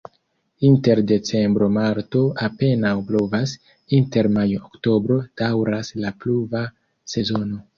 Inter decembro-marto apenaŭ pluvas, inter majo-oktobro daŭras la pluva sezono.